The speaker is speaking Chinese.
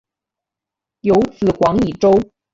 有子黄以周。